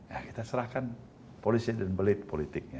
ya kita serahkan polisi dan belit politiknya